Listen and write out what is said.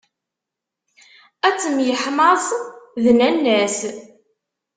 Ad temyeḥmaẓ d nanna-s.